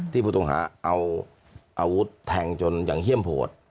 ผู้ต้องหาเอาอาวุธแทงจนอย่างเฮี่ยมโหด